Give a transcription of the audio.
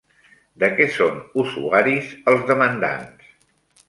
De què són usuaris els demandants?